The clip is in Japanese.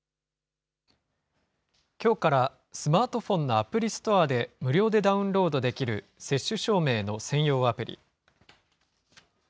きょうからスマートフォンのアプリストアで無料でダウンロードできる、接種証明の専用アプリ。